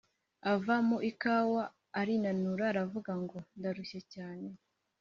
Ava mu ikawa arinanura, aravuga ngo ndarushye cyane